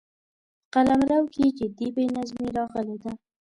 په قلمرو کې جدي بې نظمي راغلې ده.